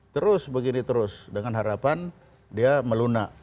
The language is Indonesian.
terus begini terus dengan harapan dia melunak